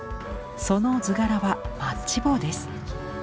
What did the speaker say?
その図柄はマッチ棒です。